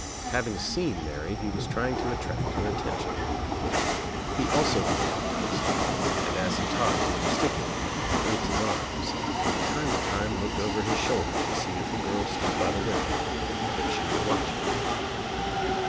Having seen Mary he was trying to at tract her attention. He also began to tell a story and as he talked he gesticulated, waved his arms and from time to time looked over his shoulder to see if the girl still stood by the window and if she were watching.